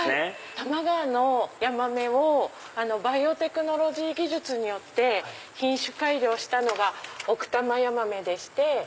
多摩川のヤマメをバイオテクノロジー技術によって品種改良したのが奥多摩ヤマメでして。